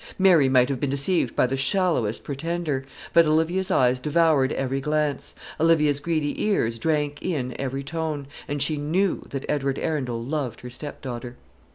Mary might have been deceived by the shallowest pretender; but Olivia's eyes devoured every glance; Olivia's greedy ears drank in every tone; and she knew that Edward Arundel loved her stepdaughter.